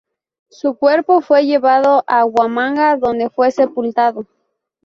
Su cuerpo fue llevado a Huamanga, donde fue sepultado.